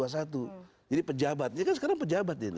jadi pejabatnya kan sekarang pejabat ini